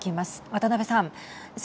渡辺さん。